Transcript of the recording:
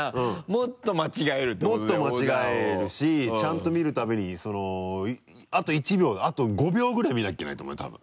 もっと間違えるしちゃんと見るためにあと１秒あと５秒ぐらい見なきゃいけないと思うよ多分。